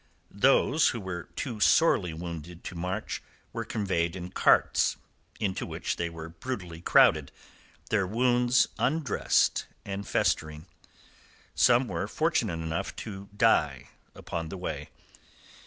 Those who were too sorely wounded to march were conveyed in carts, into which they were brutally crowded, their wounds undressed and festering. Many were fortunate enough to die upon the way.